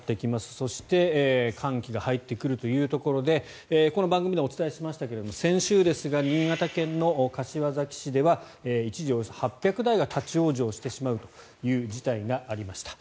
そして寒気が入ってくるというところでこの番組でもお伝えしましたが先週ですが新潟県の柏崎市では一時、およそ８００台が立ち往生してしまうという事態がありました。